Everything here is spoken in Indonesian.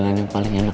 eh tengok sini gimana